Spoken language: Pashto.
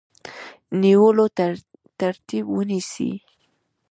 نیولو ترتیب ونیسي.